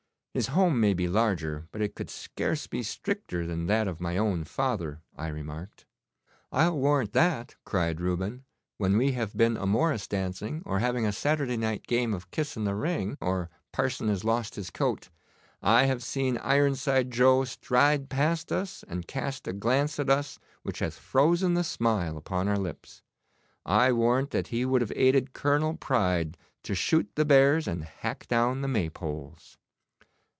'His home may be larger, but it could scarce be stricter than that of my own father,' I remarked. 'I'll warrant that,' cried Reuben. 'When we have been a morris dancing, or having a Saturday night game of "kiss in the ring," or "parson has lost his coat," I have seen Ironside Joe stride past us, and cast a glance at us which hath frozen the smile upon our lips. I warrant that he would have aided Colonel Pride to shoot the bears and hack down the maypoles.